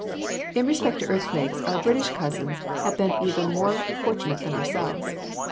In respect to earthquakes, our British cousins have been even more fortunate than ourselves.